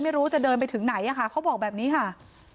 ไม่รู้จะเดินไปถึงไหนเขาบอกแบบนี้ค่ะ